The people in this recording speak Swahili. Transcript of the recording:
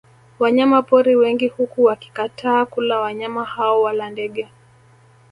Wanyama pori wengi huku wakikataa kula wanyama hao wala ndege